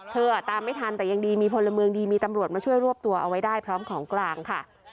ตามไม่ทันแต่ยังดีมีพลเมืองดีมีตำรวจมาช่วยรวบตัวเอาไว้ได้พร้อมของกลางค่ะ